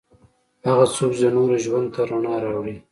هغه څوک چې د نورو ژوند ته رڼا راوړي.